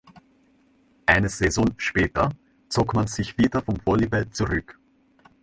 Eine Saison später zog man sich wieder vom Volleyball zurück.